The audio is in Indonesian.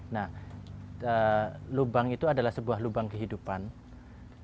nah lubang itu adalah sebuah lubang kehidupan